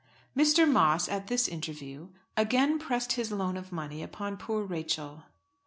Mr. Moss at this interview again pressed his loan of money upon poor Rachel.